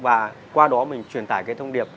và qua đó mình truyền tải cái thông điệp